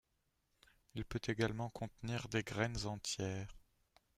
Il peut également contenir des graines entières.